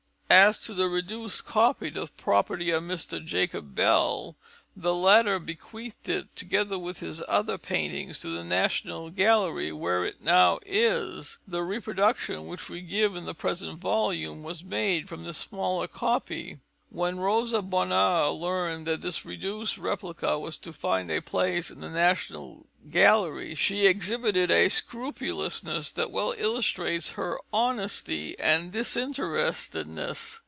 As to the reduced copy, the property of Mr. Jacob Bell, the latter bequeathed it, together with his other paintings, to the National Gallery, where it now is. The reproduction which we give in the present volume was made from this smaller copy. When Rosa Bonheur learned that this reduced replica was to find a place in the National Gallery, she exhibited a scrupulousness that well illustrates her honesty and disinterestedness.